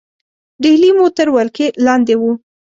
ډهلی مو تر ولکې لاندې وو.